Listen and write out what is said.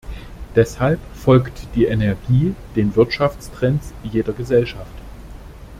Deshalb folgt die Energie den Wirtschaftstrends jeder Gesellschaft.